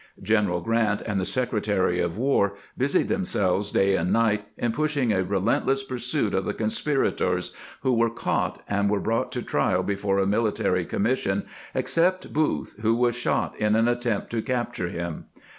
G eneral Q rant and the Secretary of "War busied themselves day and night in pushing a re lentless pursuit of the conspirators, who were caught, and were brought to trial before a military commission, except Booth, who was shot in an attempt to capture him.